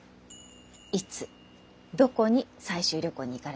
いつどこに採集旅行に行かれたか。